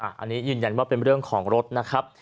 อันนี้ยืนยันว่าเป็นเรื่องของรถนะครับ